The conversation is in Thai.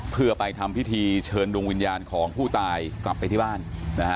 เพื่อไปทำพิธีเชิญดวงวิญญาณของผู้ตายกลับไปที่บ้านนะฮะ